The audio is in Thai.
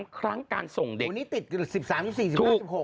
๓ครั้งการส่งเด็ก